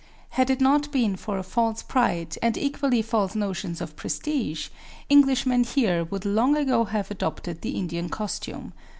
Had it not been for a false pride and equally false notions of prestige, Englishmen here would long ago have adopted the Indian costume.